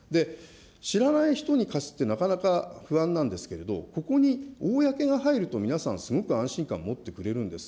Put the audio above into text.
知らない人に貸すって、なかなか不安なんですけれど、ここに公が入ると皆さん、すごく安心感持ってくれるんです。